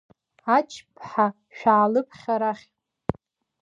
Ач-ԥҳа шәаалыԥхьа арахь!